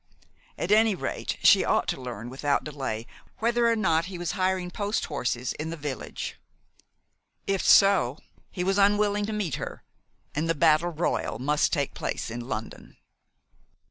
At any rate, she ought to learn without delay whether or not he was hiring post horses in the village. If so, he was unwilling to meet her, and the battle royal must take place in London.